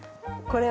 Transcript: これ？